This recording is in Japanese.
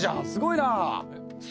すごいな！